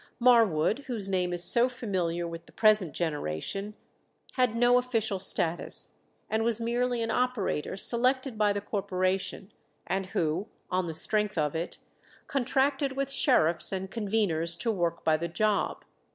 Marwood, whose name is so familiar with the present generation, had no official status, and was merely an operator selected by the Corporation, and who, on the strength of it, contracted with sheriffs and conveners to work by the job.